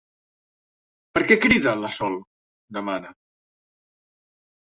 Per què crida, la Sol? —demana.